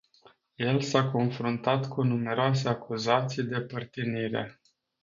El s-a confruntat cu numeroase acuzații de părtinire.